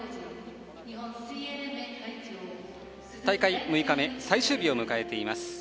大会６日目最終日を迎えています。